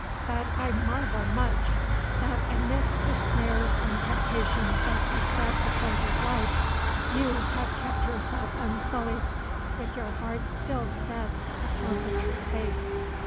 But I marvel much that amidst the snares and temptations that beset a soldier's life you have kept yourself unsullied, with your heart still set upon the true faith.